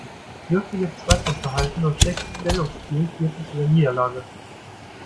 Dürftiges Zweikampfverhalten und schlechtes Stellungsspiel führten zu der Niederlage.